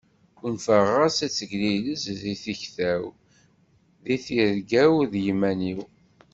Unfeɣ-as ad teglilez deg tikta-w, deg tirga-w d yiman-iw.